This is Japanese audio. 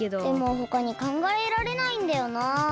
でもほかにかんがえられないんだよなあ。